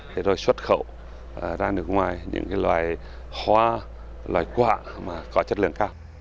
để rồi xuất khẩu ra nước ngoài những loài hoa loài quả mà có chất lượng cao